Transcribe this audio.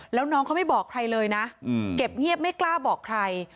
แล้วน้องเขาไม่บอกใครเลยนะเก็บเงียบไม่กล้าบอกใคร